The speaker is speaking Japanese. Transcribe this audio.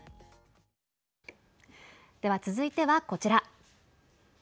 では、続いてはこちら。